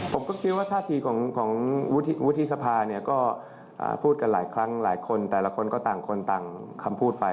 ผมก็คิดว่าท่าทีของวุฒิสภาเนี่ยก็พูดกันหลายครั้งหลายคนแต่ละคนก็ต่างคนต่างคำพูดไป